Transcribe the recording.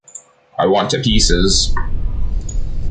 I want to pieces.